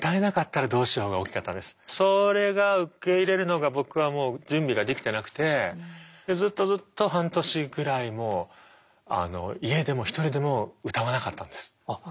あとはそれが受け入れるのが僕はもう準備ができてなくてずっとずっと半年ぐらいもう家でも一人でも歌わなかったんです。